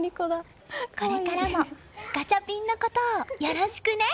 これからもガチャピンのことをよろしくね！